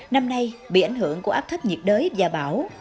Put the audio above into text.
năm nay bị ảnh hưởng của áp thấp nhiệt đới và bão